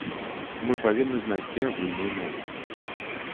Мы павінны знайсці агульную мову.